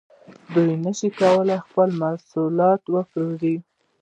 دوی نشي کولای خپل محصولات وپلوري